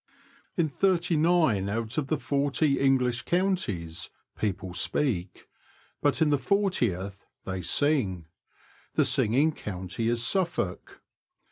In thirty nine out of the forty English counties people speak, but in the fortieth they sing : the singing county is Suffolk.